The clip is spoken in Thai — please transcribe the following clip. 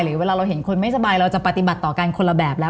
เวลาเราเห็นคนไม่สบายเราจะปฏิบัติต่อกันคนละแบบแล้ว